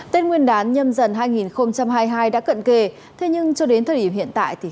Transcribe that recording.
tết nguyên đán nhâm dần hai nghìn hai mươi hai đã cận kề thế nhưng cho đến thời điểm hiện tại